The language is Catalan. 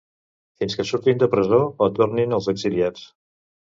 Fins que surtin de presó o tornin els exiliats.